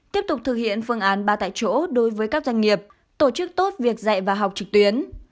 tiếp tục thực hiện phương án ba tại chỗ đối với các doanh nghiệp tổ chức tốt việc dạy và học trực tuyến